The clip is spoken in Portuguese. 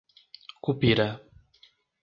Cupira